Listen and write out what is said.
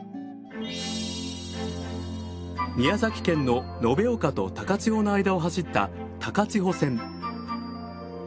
宮崎県の延岡と高千穂の間を走った高千穂線。